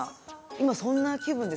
今そんな気分ですね。